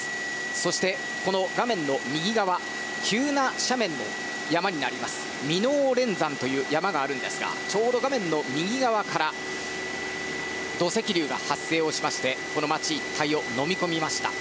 そして、この画面右側急な斜面の山になります耳納連山という山があるんですがちょうど画面の右側から土石流が発生しましてこの町一帯をのみ込みました。